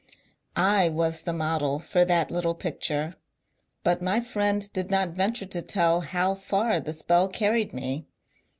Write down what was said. I was the model for that little picture. But my friend did not venture to tell how far the spell carried me.